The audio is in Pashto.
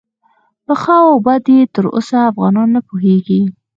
په ښه او بد یې تر اوسه افغانان نه پوهیږي.